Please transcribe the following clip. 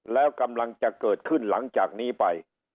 แล้วกำลังจะเกิดขึ้นหลังจากนี้ไป